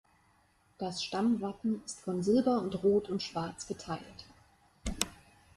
Das Stammwappen ist von Silber und Rot und Schwarz geteilt.